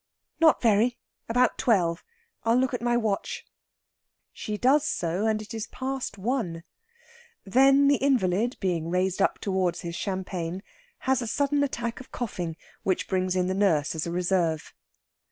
"Not very. About twelve. I'll look at my watch." She does so, and it is past one. Then the invalid, being raised up towards his champagne, has a sudden attack of coughing, which brings in the nurse as a reserve.